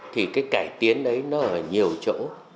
thì cái cải tiến đấy nó ở nhiều chỗ